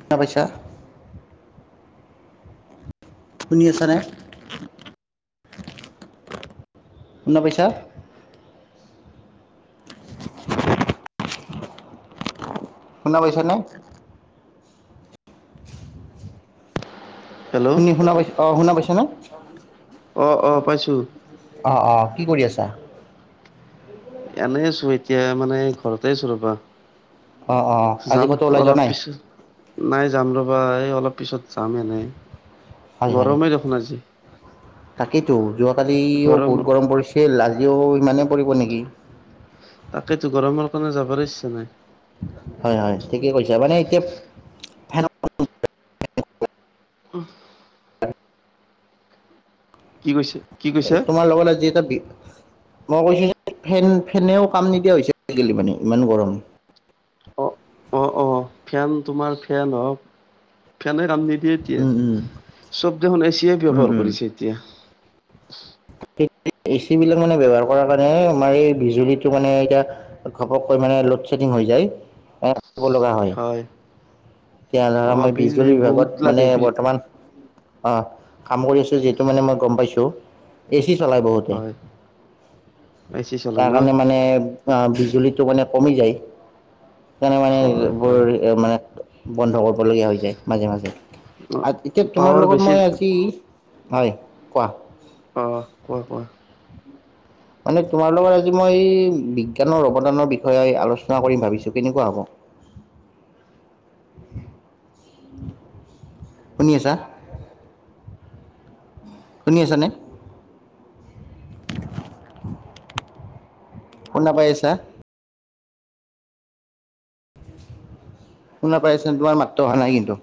শুনা পাইছা? শুনি আছা নে? শুনা পাইছা? শুনা পাইচা নে? হেল্ল' শুনি শুনা পাইছোঁ অঁ শুনা পাইছেনে? অ অ পাইছোঁ। অ অ কি কৰি আছা? এনেই আছোঁ এতিয়া মানে ঘৰতে আছোঁ ৰবা। অঁ অঁ আজি যাম ক'তো ওলাই যোৱা অলপ নাই পিছত নাই যাম ৰ'বা এই অলপ পিছত যাম এনেই গৰমেই দেখোন আজি। তাকিতো যোৱা কালিও গৰমৰ বহুত গৰম পৰিছে আজিও ইমানে পৰিব নেকি। তাকেইতো গৰমৰ কাৰণে যাবই ইচ্ছা নাই। হয় হয় ঠিকে কৈছা মানে এতিয়া সেনেকোৱা। উম। কি কৈছে? কি এ কৈছা তোমাৰ লগত আজি এটা বিষ মই কৈছোঁ যে ফেন ফেনেও কাম নিদিয়া হৈছে আজি কালি মানে ইমান গৰম। অ অ অ ফেন তোমাৰ ফেন হওঁক, ফেনে কাম নিদিয়ে এতিয়া উম উম চব দেখোন এচিয়ে ব্যৱহাৰ কৰিছে এতিয়া। ত কেতিয়া। [inaudible] এ চি বিলাক মানে ব্যৱহাৰ কৰাৰ কাৰণে, আমাৰ এই বিজুলীটো মানে এতিয়া ঘপকৈ মানে লডছেডিং হৈ যায় অ। থাকিব লগা হয় এতিয়া অ ধৰা মই বিল বিজুলী বিভাগত বহুত মানে লাগে বিল বৰ্তমান অহ, কাম কৰি আছোঁ যিহেতু মানে মই গম পাইছোঁ। ক চলাই বহুতে হয় এ চি [inaudible] চলে তাৰ ন কাৰণে মানে বিজুলীটো এইটো মানে কমি যাই সেইকাৰণে মানে হয় হয় এইবোৰ মানে বন্ধ কৰিবলগীয়া হৈ যায় মাজে -মাজে আ এতিয়া তোমাৰ পাৱাৰ লগত বেছি মই আজি হয়, কোৱা? অহ, কোৱা- কোৱা। মানে তোমাৰ লগত আজি মই বিজ্ঞানৰ অৱদানৰ বিষয়ে আলোচনা কৰিম ভাবিছোঁ কেনেকুৱা হ'ব? [inaudible] [inaudible] শুনি আছা? শুনি আছানে? [inaudible] শুনা পাই আছা? [inaudible] শুনা পাইআছে তোমাৰ মাত টো অহা নাই কিন্তু।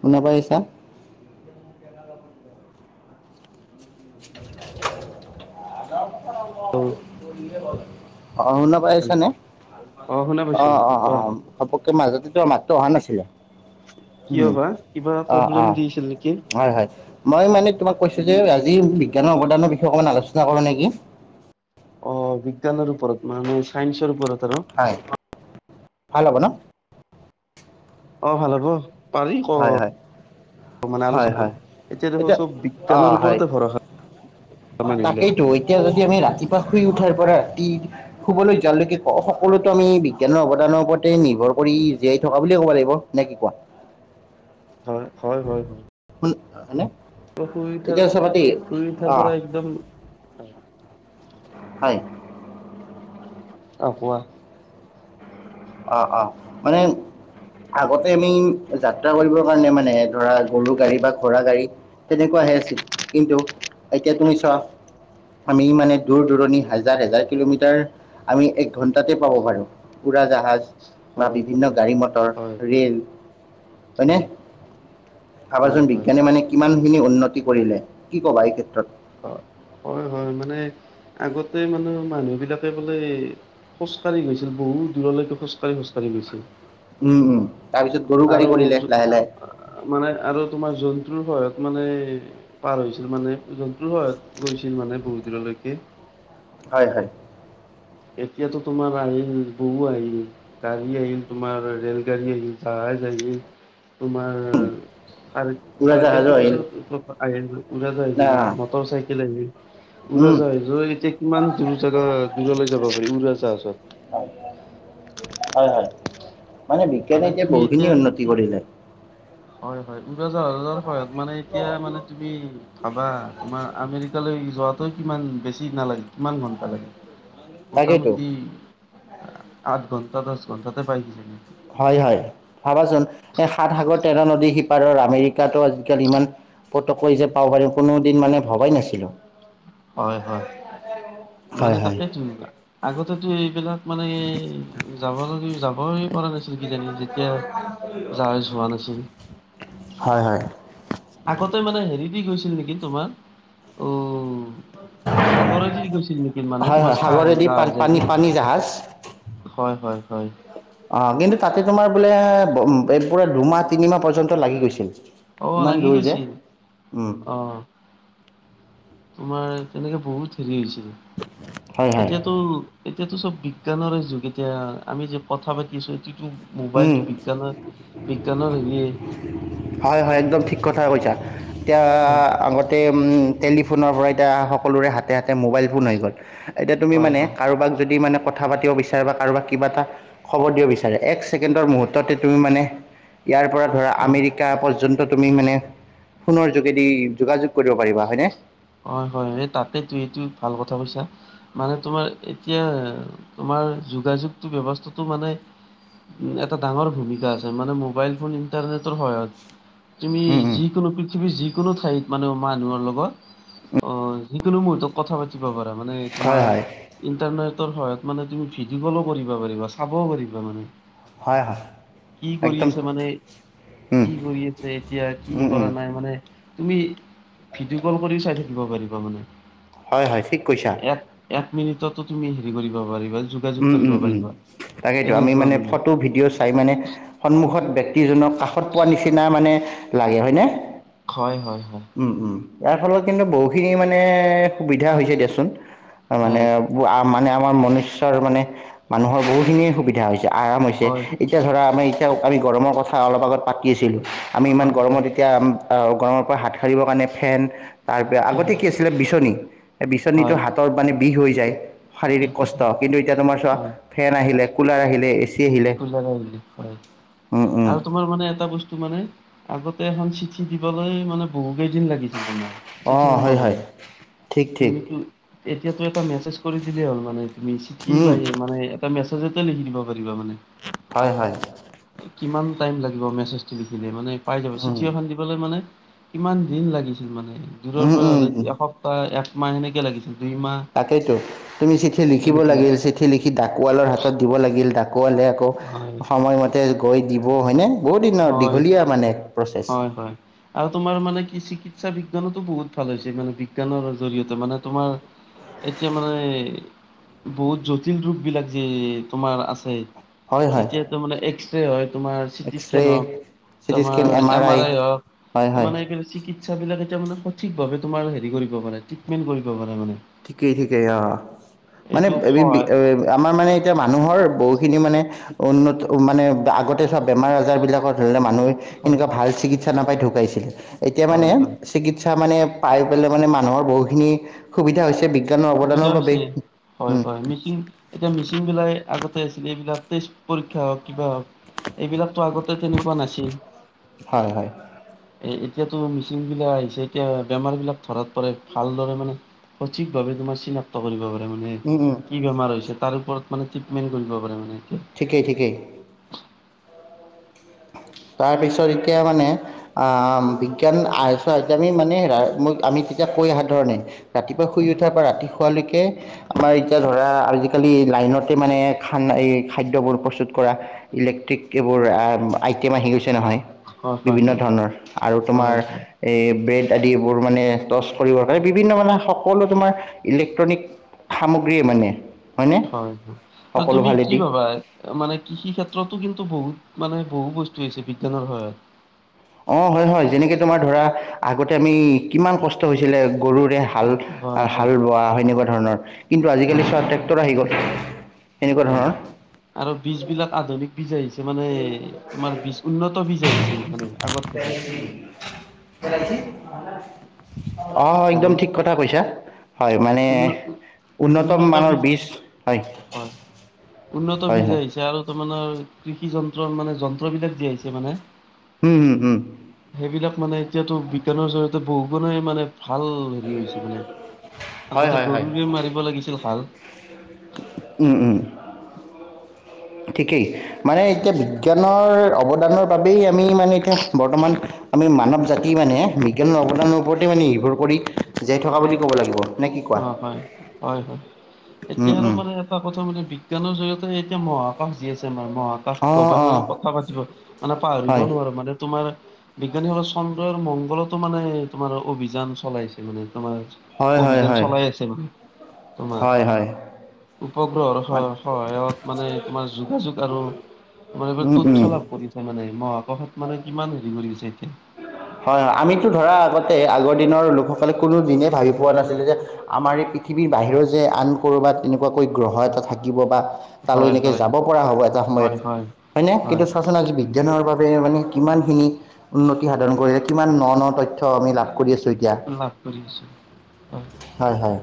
শুনা পাই আছা? [unintelligible] হেল্ল' অ'শুনা পাই আছা নে? অ শুনা পাইছো অ', - অ', - অ', - অ', কোৱা হ'ব। ত' মাজতে তোমাৰ মাতটো অহা নাছিলে। কিয় উম, বা কিবা অহ প্ৰব্লেম -অহ, দিছিল নেকি হয় -হয় মই মানে তোমাক কৈছো যে আজি বিজ্ঞানৰ অৱদানৰ বিষয়ে অকণমান আলোচনা কৰো নেকি? অহ, বিজ্ঞানৰ ওপৰত মানে চাইন্সৰ ওপৰত। আৰু হয়, ভাল হ'ব ন'? অহ, ভাল হ'ব পাৰি ক হয় হয় মানে আলো হয় চব হয় এতিয়া দেখো চব অ বিজ্ঞানৰ হয় ওপৰতে ভৰসা মানুহবিলাক তাকেইতো এতিয়া যদি আমি ৰাতিপুৱা শুই উঠাৰ পৰা তিৰ শুবলৈ যোৱালৈকে সকলোতো আমি বিজ্ঞানৰ অৱদানৰ ওপৰতে নিৰ্ভৰ কৰি জীয়াই থকা বুলি [unintelligible] লাগিব নে কি কোৱা? হয়- হয় -হয় [unintelligible] শুন হয়নে? অহ, শুই উঠাৰ এতিয়া চাবাতি শুই উঠাৰ অ' পৰা একদম হয়। অহ, কোৱা। অ', - অ', মানে আগতে আমি যাত্ৰা কৰিবৰ কাৰণে মানে ধৰা গৰু গাড়ী বা ঘোৰা গাড়ী তেনেকুৱা আছিল কিন্তু এতিয়া তুমি চোৱা আমি মানে দূৰ -দূৰণি, হাজাৰ- হাজাৰ কিলোমিটাৰ আমি এক ঘন্টাতে পাব পাৰো উৰা - জাহা জ বা হয় বিভিন্ন গাড়ী- মটৰ হয় হয় ৰে'ল হয়নে? হয় হয় ভাবাচোন বিজ্ঞানী মানে কিমানখিনি উন্নতি কৰিলে কি ক'বা এই ক্ষেত্ৰত? হয় হয় -হয় মানে আগতে মানে মানুহ বিলাকে বোলে খোজকাঢ়ি গৈছিল বহুত দূৰলৈকে খোজকাঢ়ি- খোজকাঢ়ি গৈছিল। উম -উম। তাৰপিছত গৰু গাড়ী আৰু, কৰিলে লাহে লাহে মানে আৰু তোমাৰ যোন জন্তুৰ সহায়ত মানে পাৰ হৈছিল, মানে জন্তুৰ সহায়ত গৈছিল মানে বহুত দূৰলৈকে। হয়- হয়। এতিয়াতো তোমাৰ আহিল বহু আহিল গাড়ী আহিল, তোমাৰ ৰেল গাড়ী আহিল তাৰ [unintelligible] তোমাৰ চাৰ উৰাজাহাজো -চাৰকেলটো আহিল পিছত ওপৰত আহিল, উজাতে আহিল আহ মটৰ- চাইকেল আহিল। উৰা- উম, জাহাজো এতিয়া কিমান দূৰ জাগা দূৰলৈ যাব পাৰি হয় উৰাজাহাজত। হয় হয় মানে বিজ্ঞানে এতিয়া বহুখিনি উন্নতি কৰিলে। হয় -হয়। উৰা - জাহাজৰ সহায়ত মানে এতিয়া মানে তুমি ভাবা তোমাৰ আমেৰিকালৈ যোৱাত ই কিমান বেছি নালাগে কিমান ঘণ্টা লাগে তাকেইতো মোটামুটি। আঠ ঘণ্টা দচ ঘণ্টাতে পাই দিছিল ন। হয় হয় ভাবাচোন এই সাত সাগৰ তেৰ নদী সিপাৰৰ আমেৰিকাটো আজিকালি ইমান। পত কৈ যে পাব পাৰিম কোনো দিন মানে ভবাই নাছিলো। হয় হয় হয় মানে হয়। তাকেইতো আগতেতো এইবিলাক। মানে যাবল যাবই পৰা নাছিল কিজানি যেতিয়া। যাৱ যোৱা নাছিল। হয় হয়। আগতে মানে হেৰি দি গৈছিল নেকি তোমাৰ, অ। সাগৰে দিৰি গৈছিল নেকি মানে হয় তোমাৰ হয় চাহ সাগৰেদি যা পা হৈ যায় ন। পানী পানী জাহাজ হয় হয়। হয় অ কিন্তু তাতে তোমাৰ বোলে পুৰা দুমাহ তিনিমাহ পৰ্যন্ত লাগি গৈছিল। আহ ইমান লাগি দূৰ যে গৈছিল, উম, আহ। তোমাৰ তেনেকে বহুত হেৰি হৈছিলে হয় হয় এতিয়াতো এতিয়াতো চব বিজ্ঞানৰ যুগ এতিয়া আমি যে কথা পাতি আছো এইটো উম মোবাইলটো বিজ্ঞানৰ বিজ্ঞানৰ হেৰিয়ে ঠ কথা কছা এতিয়া হয় আগতে টেলিফোনৰ পৰা এতিয়া সকলোৰে হাতে হাতে মোবাইল ফোন হৈ গ'ল এতিয়া তুমি হয় মানে হয় কাৰোবাক যদি মানে কথা পাতিব বিচাৰে বা কাৰোব কিবা এটা খবৰ দিব বিচাৰে এক্স ছে মুহৰ্ত তুমি মানে ইয়াৰ পৰা ধৰা হয় আমেৰিকা পৰন্ত। তুমি মানে সোণৰ যোগেদি যোগাযোগ কৰিব পাৰিবা হয়নে হয় হয় এই তাতেতো এইটো ভাল কথা কৈছা মানে তোমাৰ এতিয়া তোমাৰ যোগাযোগ ব্যৱস্থাটো মানে এটা ডাঙৰ ভূমিকা আছে মানে মোবাইল ফোন ইণ্টাৰনেট হত তুমি উম উম যিকোনো পৃথিৱীৰ যিকোনো ঠাইত মানে মানুহৰ লগত অ যোনো মুহুৰ্তত কথা পাতিব পাৰা মানে হয় তোমাৰ হয় ই সায়ত মানে তুমি ভিডিঅ' কলো কৰিব পাৰিবা চাবও পাৰিবা মানে। হয় হয় কি কৰি একদম আছে মানে উম কি কৰি আছে এতিয়া কি উম কৰা উম নাই মানে তুমি ভিডিঅ' কল কৰিও চাই থাকিব পাৰিবা মানে। হয় হয় ঠিক কৈছা এক এক মিনিটতো তুমি হেৰি কৰিব পাৰিবা যোগাযোগ উম কৰিব উম উম পাৰিবা তাকেইেতো আমি মানে ফটো ভিডিঅ' চাই মানে সন্মুখত ব্যক্তিজনৰ কাষত পোৱা নিচিনা মানে লাগে হয় ন হয় হয় হয় ইয়াৰ ফলত কিন্তু বহুখিনি মানে সুবিধা হৈছে দিয়াচোন মানে হয়, মানে আমাৰ মনুষ্য মানে মানুহৰ বহুতখিনিয়ে সুবিধা হৈছে আৰাম হৈছে হয়, এতিয়া ধৰা আমাৰ তেওঁ আমি গৰমৰ কথা অলপ আগত পাতি আছিলোঁ আমি ইমান হয়, গৰমত এতিয়া অ গৰমৰ পৰা হাত সাৰিবৰ কাৰণে ফেন তাৰপ হয়, আগতে কি আছিলে বিচনী বিচনীটো হয়, হাতত মানে বিষ হৈ যায় কি শাৰীৰিক কষ্ট কৈছে কিন্তু এতিয়া তোমাৰ চোৱা ফেন আহিলে কুলাৰ আহিলে এছ খজা নায় বুলি হয় আৰু তোমাৰ মানে এটা বস্তু মানে আগতে এখন চিঠি দিবলৈ মানে বহু কেইদিন লাগিছিল তোমাৰ অঁ চিঠিখন হয় হয় পাবলৈ ঠিক ঠিক তুমি এতিাতটো এটা মেছেজ কৰি দিলেই হ'ল মানে তুমি শিখি উম পাইে মানে এটা মেছেজতে লিখি দিব পাৰিবা মানে হয় হয় কিমান টাইম লাগিব মেছেজটো লিখিলে মানে পাই যাব উম চিঠিএখন দিবলৈ মানে কিমান দিন লাগিছিল মানে দূৰৰ উম পৰা উম হলে এসপ্তাহ একমাহ সেনেকে লাগিছিল দুইমাহ তাকেইতো তুমি চিঠি লিখিব তেনেকুৱা লাগিল চিঠি লিখি ডাকুৱালৰ হাতত দিব লাগিল ডাক আকোৱালে আকৌ হয় সময়মতে গৈ দিব হয়নে? বহুত দিনৰ হয় দীঘলীয়া মানে প্ৰচেছ হয় হয় আৰু তোমাৰ মানে কি চিকিৎসা বিজ্ঞানতো বহুত ভাল হৈছে মানে বিজ্ঞানৰ জৰিয়তে মানে তোমাৰ এতিয়া মানে বহুত জটিল ৰূপ বিলাক যে তোমাৰ আছে হয় হয় তেতিয়াটো মানে এক্সৰে হয় তোমাৰ চিকিৎসা এক্সৰে [unintelligible] তোমাৰ এম আৰ আই হয় হওক এই হয় মানে চিকিৎসা বিলাক যে এতিয়া মানে সঠিক ভাৱ তোমাৰ হেৰি কৰিব পাৰে ট্ৰিটমেণ্ট কৰিব পাৰে মানে ঠিকেই ঠিকেই অ মানে এইটো এই হয় আমাৰ মানে এতিয়া মানুহৰ বহুত খিনি মানে উন্নত মানে আগতে চোৱা বেমাৰ আজাৰ বিলাকত মানুহে হয় এনেকুৱা ভাল চিকিৎসা নাপাই ঢুকাইছিলে এতিয়া মানে হয় হয় চিকিৎসা মানে পাই পেলাই মানে মানুহৰ বহুখিনি সুবিধা হৈছে [unintelligible] সুবিধা বাবে হৈছে হয় উম হয় মিচিং এতিয়া মিচিং বিলাই আগতে আছিলে এইবিলাক টেষ্ট পৰীক্ষা হওক কিবা হক এইবিলাকতো আগতে তেনেকুৱা নাছিল হয় হয় এ এতিয়াতো মিচিংবিলাক আহিছে এতিয়া বেমাৰবিলাক ধৰাত পৰে ভালদৰে মানে, সঠিক ভাবে তোমাৰ চিনাক্ত কৰিব পাৰে মানে, উম উম কি বেমাৰ হৈছে তাৰ ওপৰত মানে ট্ৰিটমেণ্ট কৰিব পাৰে মানে। এতিয়া ঠিকেই ঠিকেই [inaudible] তাৰ পিছত এতিয়া মানে, অ বিজ্ঞান [unintelligible] আমি মানে ম আমি তেতিয়া কৈ অহা ধৰণে ৰাতি পোৱা শুই উথা পৰা ৰাতি শুৱাৰ লৈকে আমাৰ এতিয়া ধৰা আজিকালিৰ লাইন নতে মানে খান এই খাদ্যবোৰ প্ৰস্তুত কৰা ইলেক্ট্ৰিক এইবোৰ আইটেম আহি গৈছে নহয়, হয় হয় বিভিন্ন হয় ধৰণৰ আৰু তোমাৰ হয় হয় এই ব্ৰেড ইত্যাদিবোৰ মানে টৰ্চ কৰিবৰ কাৰণে বিভিন্ন মানে সকলো তোমাৰ ইলেক্ট্ৰনিক সামগ্ৰীয়ে মানে। হয়নে হয় হয় আৰু সকলো তুমি কি ফালেদি ভাবা মানে কৃষি ক্ষেত্ৰতো কিন্তু বহুত মানে বহু বস্তু আহিছে বিজ্ঞানৰ সহায়ত। অ হয় হয় যেনেকে তোমাৰ ধৰা আগতে আমি কিমান কষ্ট হৈছিলে গৰুৰে হা হাল হয় হয় হাল বোৱা সেনেকুৱা ধৰণৰ কিন্তু আজিকালি হয় চোৱা ট্ৰেক্টৰ আহি গ'ল এনেকুৱা হয় ধৰণৰ। আৰু বীজ বিলাক আধুনিক বীজ আহিছে মানে তোমাৰ বীজ উন্নত বীজ আহিছে মানে। আগত থাকি [unintelligible] অ হেল্ল' একদম ঠিক কথা কৈছা হয় মানে উন্ন উন্নত মানৰ বীজ হয়। উন্নত হয় বীজ হয় আহিছে আৰু তাৰমানে কৃষি যন্ত্ৰ মানে যন্ত্ৰ বিলাক দি আহিছে মানে উম হম উম। এইবিলাক মানে এতিয়াতো বিজ্ঞানৰ জৰিয়তে বহুুগুণে মানে ভাল হেৰি হৈছে মানে হয় আগতে হয় হয় গৰুকে মাৰিব লাগিছিল হাল উম উম। ঠিকেই মানে এতিয়া বিজ্ঞানৰ অৱদানৰ বাবেই আমি মানে এতিয়া বৰ্তমান আমি মানৱ জাতি মানে বিজ্ঞানৰ অৱদানৰ ওপৰতেই মানে নিৰ্ভৰ কৰি জীয়াই থকা বুলি ক'ব লাগিব। নে কি কোৱা অ হয় হয় হয় উম এতিয়া আৰু উম মানে এটা কথা মানে বিজ্ঞ বিজ্ঞানৰ জৰিয়তে এতিয়া মহাকাশ যি আছে আমাৰ মহাকাশ অঁ অঁ গৱেষণাৰ কথা পাতিব মানে পাহৰিব হয় নোৱাৰো মানে তোমাৰ বিজ্ঞানীসকলে চন্দ্ৰৰ মংগলতো মানে তোমাৰ অভিযান চলাইছে মানে তোমাৰ হয় হয় অভিযান হয় চলাই আছে মানে। তোমাৰ হয় হয়। উপগ্ৰহৰ স সহায়ত মানে তোমাৰ যোগাযোগ আৰু আমাৰ এইবাৰ উম উম তথ্য লাভ কৰিছে মানে মহাকাশত মানে কিমান হেৰি কৰিছে এতিয়া হয় হয় আমিতো ধৰা আগতে আগৰ দিনৰ লোকসকলে কোনো দিনে ভাবি পোৱা নাছিলে যে আমাৰ এই পৃ পৃথিৱীৰ বাহিৰৰ যে আন ক'ৰবাত তেনেকুৱাকৈ গ্ৰহ এটা থাকিব বা তালৈ হয় এনেকে হয় যাব পৰা হ'ব এটা সময়ত, হয় নে? কিন্তু চোৱাচোন আজি বিজ্ঞ জ্ঞানৰ বাবে মানে কিমানখিনি, উন্নতি সাধন কৰিলে কিমান ন ন তথ্য আমি লাভ কৰোঁ! কৰি আছো এতিয়া, লাভ কৰি আছো হয় হয়।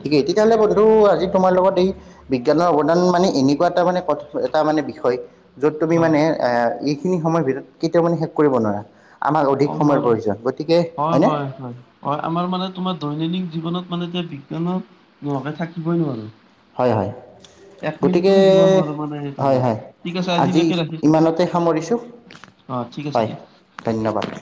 ঠিকে, তেতিয়াহ'লে বন্ধু আজি তোমাৰ লগত এই, বিজ্ঞানৰ অৱদান মানে এনেকুৱা এটা মান এটা মানে বিষয় য'ত তুমি হয় মানে আ এইখিনি সময়ৰ ভিতৰত কেতিয়াও মানে শেষ কৰিব নোৱাৰা। আমাক অধিক অ' সময়ৰ হয়, প্ৰয়োজন গতিকে হয় হয়নে হয় হয়। আমাৰ মানে তোমাৰ দৈনন্দিন জীৱনত। মানে এতিয়া বিজ্ঞানৰ নোহোৱাকে থাকিবই নোৱাৰোঁ। হয় হয়। গতিকে, থাকিব নোৱাৰো মানে হয় তোমাৰ হয়, ঠিক আছে আজি আজিলৈকে ৰাখিছো ইমানতে সামৰিছোঁ। অ ঠিক আছে হয়, দিয়া ধন্যবাদ।